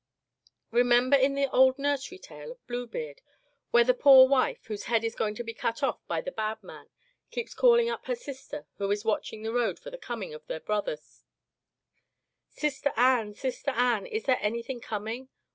Remember in the old nursery tale of Bluebeard, where the poor wife, whose head is going to be cut off by the bad man keeps calling up to her sister, who is watching the road for the coming of their brothers: 'Sister Ann, Sister Ann, is there anything coming?